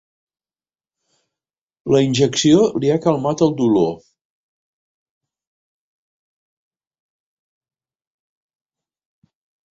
La injecció li ha calmat el dolor.